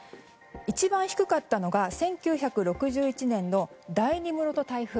一番低かったのが１９６１年の第２室戸台風。